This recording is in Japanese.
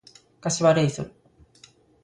柏レイソル